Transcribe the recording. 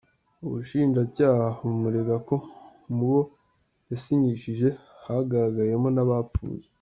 Ubushinjacyaha bumurega ko mu bo yasinyishije hagaragayemo n’abapfuye.